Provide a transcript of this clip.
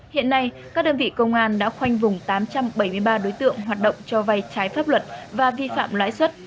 hiện nay các đơn vị công an đã khoanh vùng tám trăm bảy mươi ba đối tượng hoạt động cho vay trái pháp luật và vi phạm lãi suất